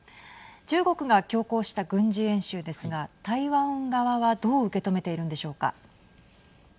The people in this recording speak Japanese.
中国が強行した軍事演習ですが台湾側は、どう受け止めているんでしょうか。